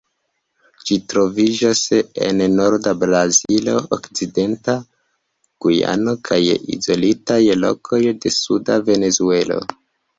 Ĝi troviĝas en norda Brazilo, okcidenta Gujano kaj izolitaj lokoj de suda Venezuelo.